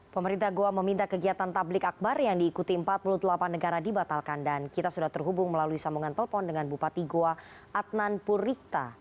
pemerintah goa meminta kegiatan tablik akbar yang diikuti empat puluh delapan negara dibatalkan dan kita sudah terhubung melalui sambungan telepon dengan bupati goa adnan purikta